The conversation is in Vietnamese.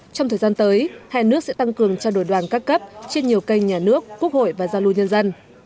trong thời gian tới hai nước sẽ tăng cường trao đổi đoàn các cấp trên nhiều kênh nhà nước quốc hội và giao lưu nhân dân